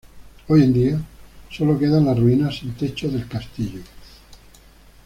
Hoy en día, sólo quedan las ruinas sin techo del castillo.